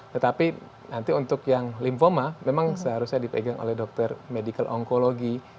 tetapi nanti untuk yang lymphoma memang seharusnya dipegang oleh dokter medical onkologi